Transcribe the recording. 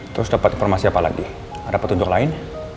terus dapat informasi apa lagi ada petunjuk lain